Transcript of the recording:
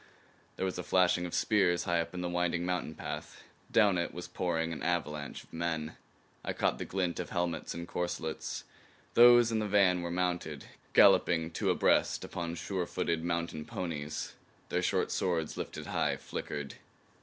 There was a flashing of spears high up the winding mountain path. Down it was pouring an avalanche of men. I caught the glint of helmets and corselets. Those in the van were mounted, galloping two abreast upon sure footed mountain ponies. Their short swords, lifted high, flickered.